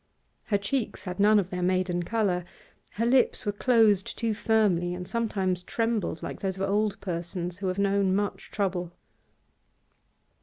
Her cheeks had none of their maiden colour. Her lips were closed too firmly, and sometimes trembled like those of old persons who have known much trouble.